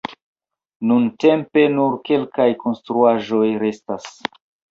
Nuntempe nur kelkaj konstruaĵoj restas.